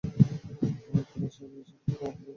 হ্যাঁ, উপর দিয়ে সে কঠোর এবং একগুঁয়ে সেটা আমি স্বীকার করি।